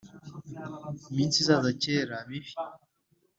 iminsi izaza kera mibi